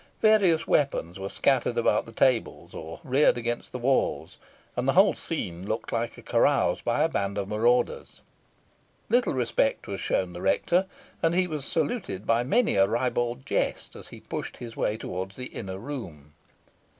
Various weapons were scattered about the tables or reared against the walls, and the whole scene looked like a carouse by a band of marauders. Little respect was shown the rector, and he was saluted by many a ribald jest as he pushed his way towards the inner room.